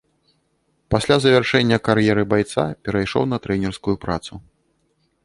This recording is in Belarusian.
Пасля завяршэння кар'еры байца перайшоў на трэнерскую працу.